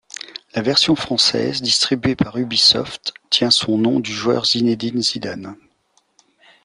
La version française, distribuée par Ubisoft tient son nom du joueur Zinédine Zidane.